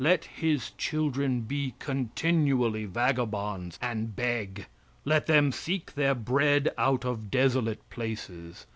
Let his children be continually vagabonds, and beg. Let them seek their bread out of desolate places.